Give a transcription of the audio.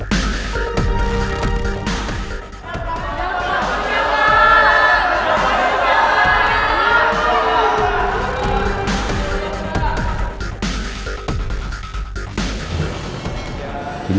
dengar sini pak